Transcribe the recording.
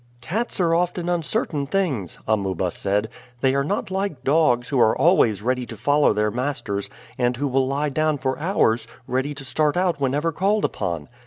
"Cats are often uncertain things," Amuba said. "They are not like dogs, who are always ready to follow their masters, and who will lie down for hours, ready to start out whenever called upon."